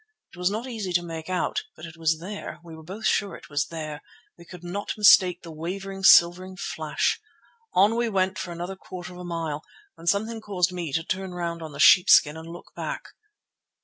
It was not easy to make out, but it was there, we were both sure it was there; we could not mistake the wavering, silver flash. On we went for another quarter of a mile, when something caused me to turn round on the sheepskin and look back.